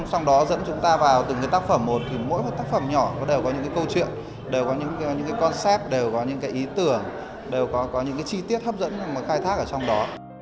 sau đó dẫn chúng ta vào từng cái tác phẩm một thì mỗi tác phẩm nhỏ đều có những câu chuyện đều có những concept đều có những ý tưởng đều có những chi tiết hấp dẫn để khai thác ở trong đó